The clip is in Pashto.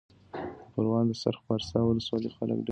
د پروان د سرخ پارسا ولسوالۍ خلک ډېر مېلمه پاله دي.